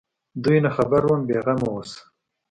دوى نه خبروم بې غمه اوسه.